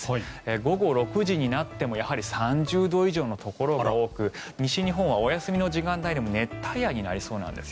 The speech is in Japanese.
午後６時になっても３０度以上のところが多く西日本はお休みの時間でも熱帯夜になりそうなんです。